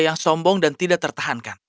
yang sombong dan tidak tertahankan